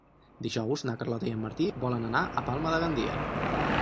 Dijous na Carlota i en Martí volen anar a Palma de Gandia.